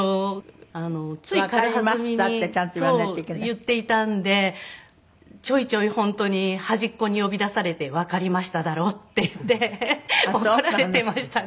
言っていたのでちょいちょい本当に端っこに呼び出されて「“わかりました”だろ」っていって怒られていましたね。